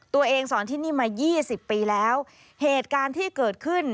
ตัวเองสอนที่นี่มายี่สิบปีแล้วเหตุการณ์ที่เกิดขึ้น